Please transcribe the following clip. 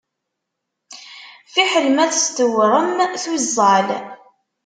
Fiḥel ma testewrem tuẓẓal.